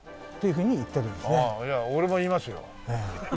いや俺も言いますよ。